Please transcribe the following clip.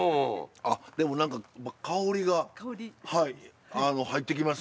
あでも何か香りが入ってきます。